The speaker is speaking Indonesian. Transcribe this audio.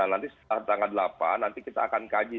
nanti setelah tanggal delapan nanti kita akan kaji